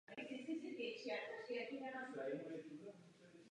My v Evropě potřebujeme takovou revoluci znovu právě teď.